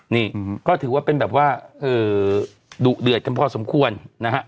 นี่ก็ถือว่าเป็นแบบว่าดุเดือดกันพอสมควรนะฮะ